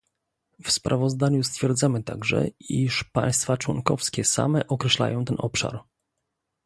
W sprawozdaniu stwierdzamy także, iż państwa członkowskie same określają ten obszar